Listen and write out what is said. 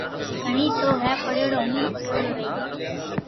گڻي مي تو ھي ڀريوڙو ھو ھين ڀريوڙو رھئي